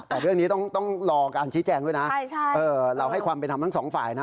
อ่ะเรื่องนี้ต้องต้องรอกันชิคแจงด้วยน่ะใช่เออเราให้ความเป็นทำทั้งสองฝ่ายน่ะ